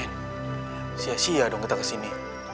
ben sia sia dong kita ke sini